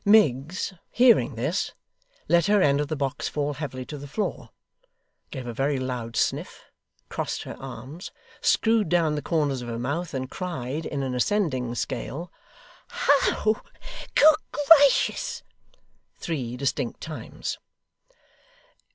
Miggs, hearing this, let her end of the box fall heavily to the floor, gave a very loud sniff, crossed her arms, screwed down the corners of her mouth, and cried, in an ascending scale, 'Ho, good gracious!' three distinct times.